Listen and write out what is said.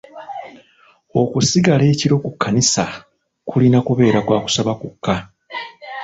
Okusigala ekiro ku kkanisa kulina kubeera kwa kusaba kwokka.